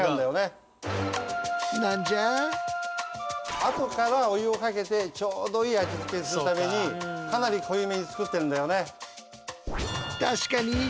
あとからお湯をかけてちょうどいい味付けにするためにかなり濃いめに作ってるんだよね。